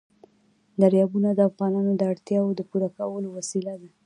دریابونه د افغانانو د اړتیاوو د پوره کولو وسیله ده.